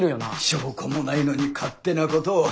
証拠もないのに勝手なことを。